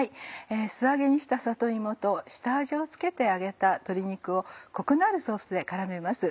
素揚げにした里芋と下味を付けて揚げた鶏肉をコクのあるソースで絡めます。